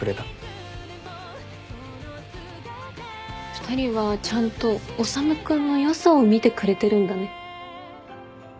２人はちゃんと修君の良さを見てくれてるんだね。